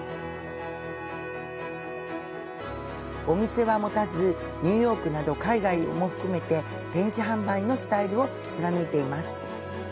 お店は持たず、ニューヨークなど海外も含めて展示販売のスタイルを貫いています。